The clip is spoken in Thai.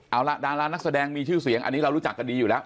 เอาล่ะดารานักแสดงมีชื่อเสียงอันนี้เรารู้จักกันดีอยู่แล้ว